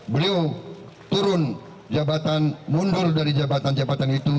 beliau mundur dari jabatan jabatan itu